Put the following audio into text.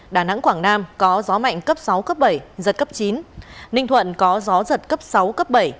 đà nẵng quảng nam có gió mạnh cấp sáu cấp bảy giật cấp chín